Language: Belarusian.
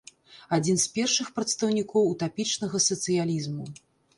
Адзін з першых прадстаўнікоў утапічнага сацыялізму.